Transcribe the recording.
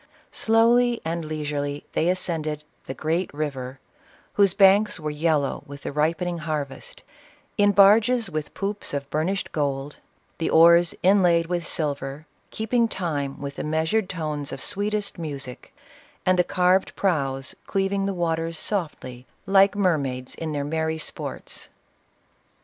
Slowly and leisurely they ascended " the great river," whose banks were yellow with the ripening har vest, in barges with poops of burnished gold — the oars, inlaid with silver, keeping time with the measured tones of sweetest music, and the carved prows cleav ing the waters softly, like mermaids in their merry sports.